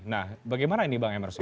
nah bagaimana ini bang emers